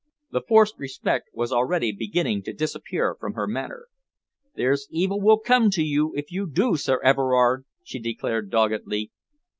The forced respect was already beginning to disappear from her manner. "There's evil will come to you if you do, Sir Everard," she declared doggedly.